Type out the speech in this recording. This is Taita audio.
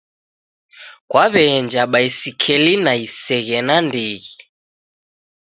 Kwawe'enja baisikeli na iseghe nandighi